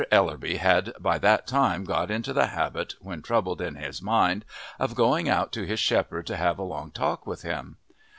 Ellerby had by that time got into the habit when troubled in his mind of going out to his shepherd to have a long talk with him.